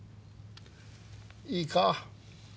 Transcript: いいか？